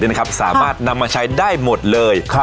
เลยนะครับนำไฟชัยได้หมดเลย